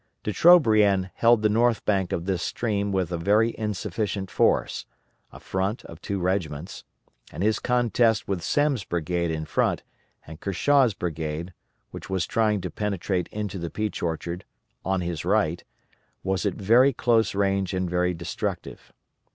De Trobriand held the north bank of this stream with a very insufficient force a front of two regiments and his contest with Semmes' brigade in front and Kershaw's brigade, which was trying to penetrate into the Peach Orchard, on his right, was at very close range and very destructive.